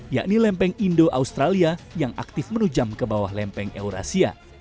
yakni lempeng indo australia yang aktif menujam ke bawah lempeng eurasia